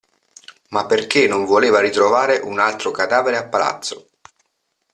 Ma perché non voleva ritrovare un altro cadavere a palazzo.